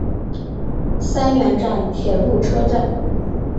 三原站铁路车站。